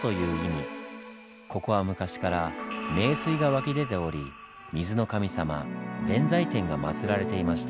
ここは昔から名水が湧き出ており水の神様弁財天が祭られていました。